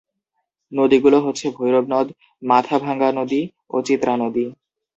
নদীগুলো হচ্ছে ভৈরব নদ, মাথাভাঙ্গা নদী ও চিত্রা নদী।